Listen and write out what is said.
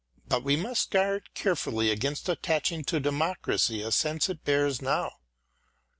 But we must guard carefully against attaching to democracy the sense it bears now.